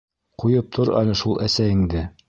Ҡуйып тор әле шул әсәйеңде.